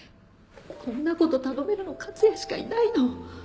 こんな事頼めるのは克也しかいないの！